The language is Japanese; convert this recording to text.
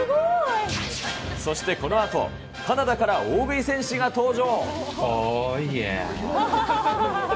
そしてこのあと、カナダから大食い戦士が登場。